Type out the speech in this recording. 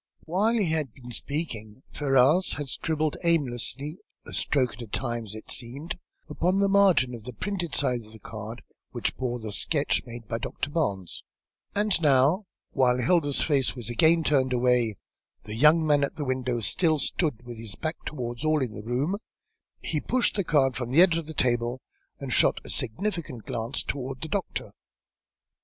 While he had been speaking, Ferrars had scribbled aimlessly and a stroke at a time, as it seemed, upon the margin of the printed side of the card which bore the sketch made by Doctor Barnes; and now, while Hilda's face was again turned away, the young man at the window still stood with his back towards all in the room, he pushed the card from the edge of the table, and shot a significant glance toward the doctor.